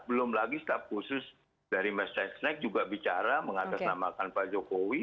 belum lagi setiap khusus dari mas sescanec juga bicara mengatasnamakan pak jokowi